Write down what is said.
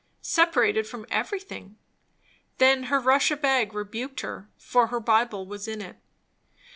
Separated from everything! Then her Russia bag rebuked her, for her Bible was in it.